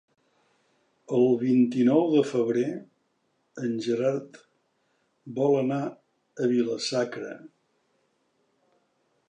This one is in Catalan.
El vint-i-nou de febrer en Gerard vol anar a Vila-sacra.